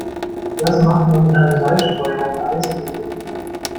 Was macht man mit einem Salzstreuer auf der Eisfläche?